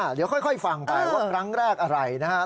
เดี๋ยวค่อยฟังไปว่าครั้งแรกอะไรนะครับ